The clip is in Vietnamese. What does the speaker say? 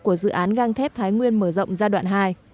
của dự án gang thép thái nguyên mở rộng giai đoạn hai